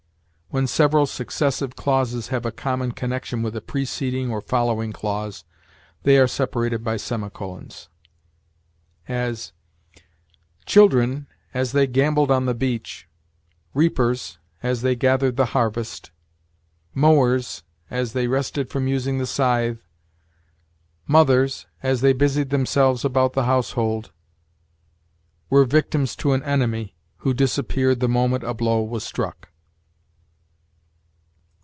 When several successive clauses have a common connection with a preceding or following clause, they are separated by semicolons; as, "Children, as they gamboled on the beach; reapers, as they gathered the harvest; mowers, as they rested from using the scythe; mothers, as they busied themselves about the household were victims to an enemy, who disappeared the moment a blow was struck."